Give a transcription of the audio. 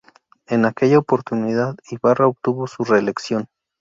En aquella oportunidad Ibarra obtuvo su re-elección.